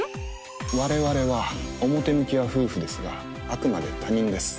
我々は表向きは夫婦ですがあくまで他人です